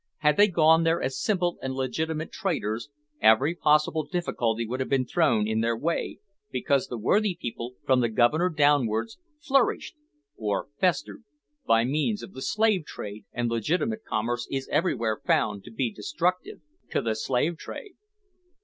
Had they gone there as simple and legitimate traders, every possible difficulty would have been thrown in their way, because the worthy people, from the Governor downwards, flourished, or festered, by means of the slave trade, and legitimate commerce is everywhere found to be destructive to the slave trade.